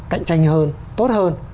cạnh tranh hơn tốt hơn